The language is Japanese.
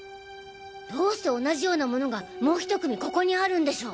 どうして同じようなものがもう１組ここにあるんでしょう？